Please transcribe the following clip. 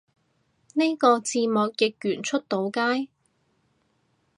呢個字幕譯完出到街？